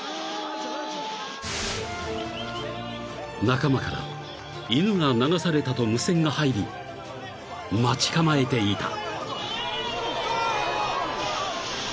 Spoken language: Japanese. ［仲間から犬が流されたと無線が入り待ち構えていた］